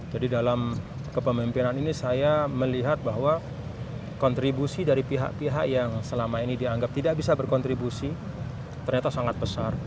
jadi dalam kepemimpinan ini saya melihat bahwa kontribusi dari pihak pihak yang selama ini dianggap tidak bisa berkontribusi ternyata sangat besar